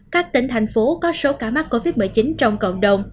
các tỉnh thành phố có số ca mắc covid một mươi chín